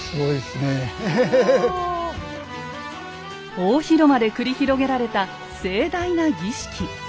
大広間で繰り広げられた盛大な儀式。